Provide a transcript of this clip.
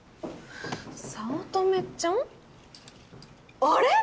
早乙女ちゃん？あれ？